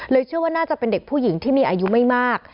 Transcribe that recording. เชื่อว่าน่าจะเป็นเด็กผู้หญิงที่มีอายุไม่มาก